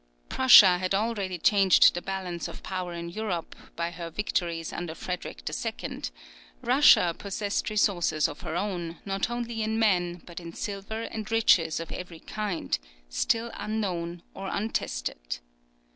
Prussia had already changed the balance of power in Europe, by her victories under Frederick II.; Russia possessed resources of her own, not only in men, but in silver and riches of every kind still unknown or untested.